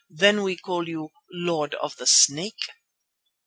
Then we call you Lord of the Snake."